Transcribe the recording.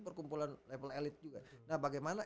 perkumpulan level elite juga nah bagaimana